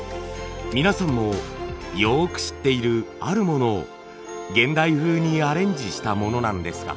皆さんもよく知っているあるものを現代風にアレンジしたものなんですが。